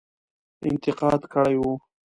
انتقاد کړی وو.